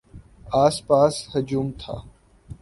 آس پاس ہجوم تھا۔